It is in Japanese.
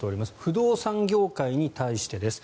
不動産業界に対してです。